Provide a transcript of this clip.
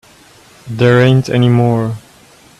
There ain't any more.